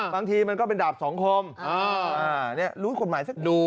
บางทีมันก็เป็นดาบสองคมรู้ความหมายสักนิดนึง